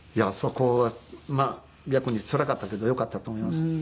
あそこは逆につらかったけどよかったと思います。